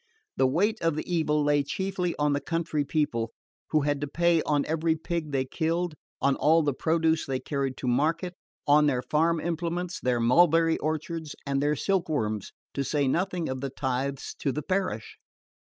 The weight of the evil lay chiefly on the country people, who had to pay on every pig they killed, on all the produce they carried to market, on their farm implements, their mulberry orchards and their silk worms, to say nothing of the tithes to the parish.